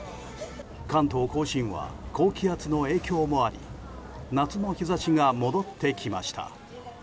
関東・甲信は高気圧の影響もあり夏の日差しが戻ってきました。